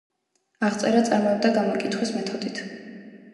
აღწერა წარმოებდა გამოკითხვის მეთოდით.